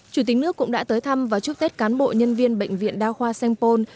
chủ tịch nước cũng đã tới thăm và chúc tết cán bộ nhân viên bệnh viện đao khoa sengpon